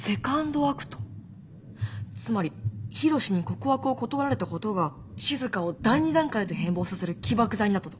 つまりヒロシに告白を断られたことがしずかを第二段階へと変貌させる起爆剤になったと？